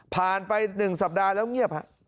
ไป๑สัปดาห์แล้วเงียบ